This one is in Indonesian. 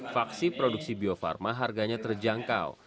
vaksin produksi bio farma harganya terjangkau